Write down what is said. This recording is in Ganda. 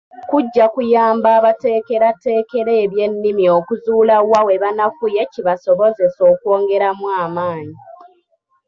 Kujja kuyamba abateekerateekera eby'ennimi okuzuula wa we banafuye kibasobozese okwongeramu amaanyi.